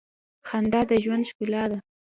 خندا د ژوند ښکلا ده.